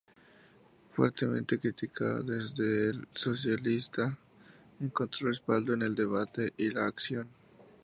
Fuertemente criticada desde "El Socialista", encontró respaldo en "El Debate" y "La Acción".